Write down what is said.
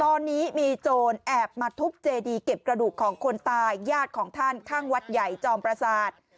ตอนนี้มีโจรแอบมาทุบเจดีเก็บกระดูกของคนตายญาติของท่านข้างวัดใหญ่จอมประสาท